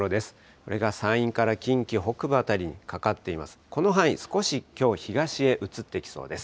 これが山陰から近畿北部辺り、かかっています。